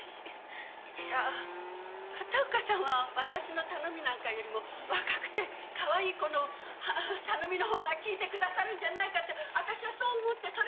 いや片岡さんは私の頼みなんかよりも若くてかわいい子の頼みのほうが聞いてくださるんじゃないかって私はそう思って。